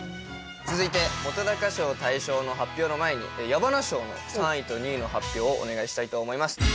続いて本賞大賞の発表の前に矢花賞の３位と２位の発表をお願いしたいと思います。